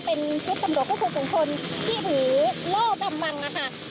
เป็นชุดตำรวจคุณคุณชนที่ถือโลกำวังนะคะ